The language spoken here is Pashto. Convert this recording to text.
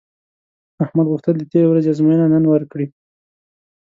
احمد غوښتل د تېرې ورځې ازموینه نن ورکړي